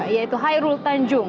yaitu hairul tanjung